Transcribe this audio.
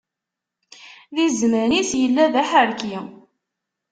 Di zzman-is yella d aḥerki.